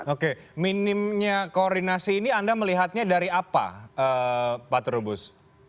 oke minimnya koordinasi ini anda melihatnya dari apa pak trubus